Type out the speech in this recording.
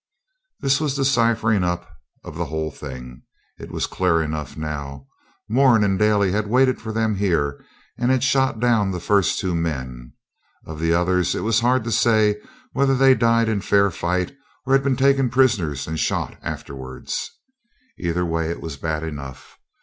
This was the ciphering up of the whole thing. It was clear enough now. Moran and Daly had waited for them here, and had shot down the two first men. Of the others, it was hard to say whether they died in fair fight or had been taken prisoners and shot afterwards. Either way it was bad enough.